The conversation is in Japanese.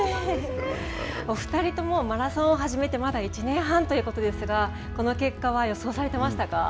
お二人ともマラソンを始めてまだ１年半ということですが、この結果は予想されてましたか。